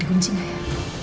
dikunci gak ya